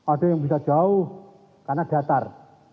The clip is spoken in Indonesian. ada yang bisa jauh karena datar